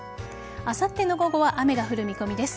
あさっての午後は雨が降る見込みです。